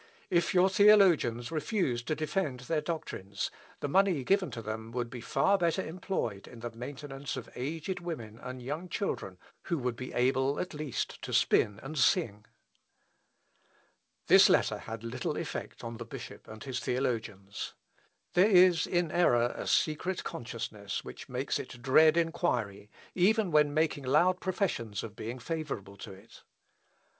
If your theologians refuse to defend their doctrines, the money given to them would be far better employed in the maintenance of aged women and young children who would be able at least to spin and sing." Scheinder, Lips. Chr. iv, 168. [Sidenote: MOSELLANUS. ERASMUS.] This letter had little effect on the bishop and his theologians. There is in error a secret consciousness which makes it dread enquiry even when making loud professions of being favourable to it.